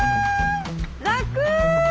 楽！